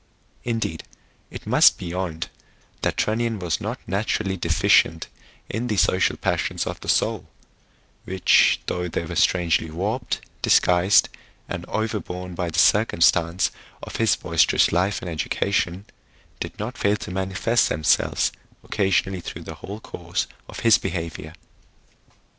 Indeed it must be owned that Trunnion was not naturally deficient in the social passions of the soul, which though they were strangely warped, disguised, and overborne by the circumstance of his boisterous life and education, did not fail to manifest themselves occasionally through the whole course of his behaviour.